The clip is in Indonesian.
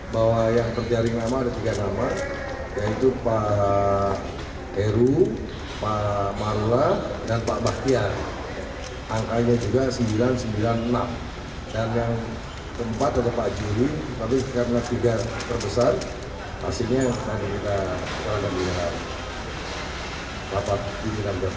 besok akan dikirim ke kementerian dalam negeri